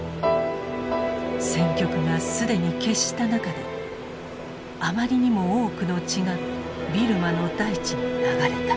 戦局が既に決した中であまりにも多くの血がビルマの大地に流れた。